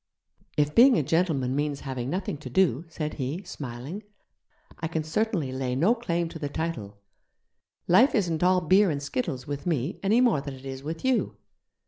'If being a gentleman means having nothing to do,' said he, smiling, 'I can certainly lay no claim to the title. Life isn't all beer and skittles with me, any more than it is with you.